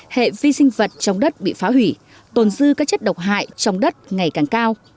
hệ vi sinh vật trong đất bị phá hủy tồn dư các chất độc hại trong đất ngày càng cao